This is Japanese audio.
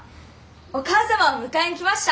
お母様を迎えに来ました。